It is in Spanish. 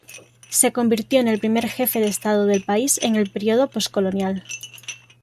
Se convirtió en el primer jefe de estado del país en el período postcolonial.